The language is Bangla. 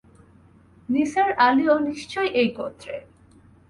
নিসার আলিও নিশ্চয় এই গোত্রের।